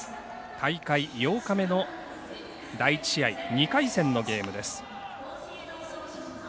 大会８日目の第１試合２回戦のゲームです。